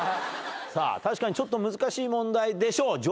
確かにちょっと難しい問題でしょう。